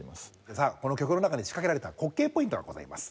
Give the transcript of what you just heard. さあこの曲の中に仕掛けられた滑稽ポイントがございます。